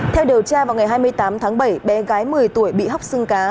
theo điều tra vào ngày hai mươi tám tháng bảy bé gái một mươi tuổi bị hóc xương cá